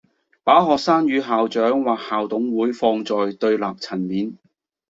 把學生與校長或校董會放在對立層面